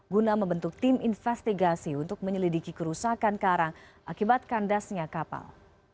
guna membentuk tim investigasi untuk menyelidiki kerusakan karang akibat kandasnya kapal